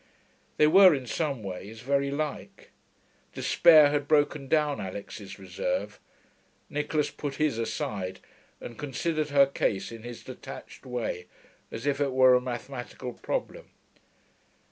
They were, in some ways, very like. Despair had broken down Alix's reserve; Nicholas put his aside and considered her case in his detached way, as if it were a mathematical problem.